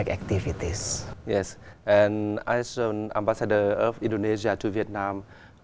các loại quốc gia việt nam